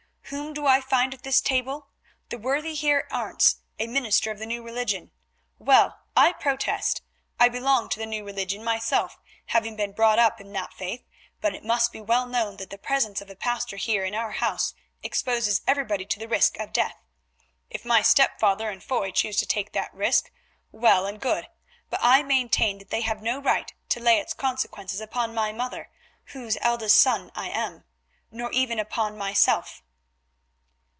"Whom do I find at this table? The worthy Heer Arentz, a minister of the New Religion. Well, I protest. I belong to the New Religion myself, having been brought up in that faith, but it must be well known that the presence of a pastor here in our house exposes everybody to the risk of death. If my stepfather and Foy choose to take that risk, well and good, but I maintain that they have no right to lay its consequences upon my mother, whose eldest son I am, nor even upon myself."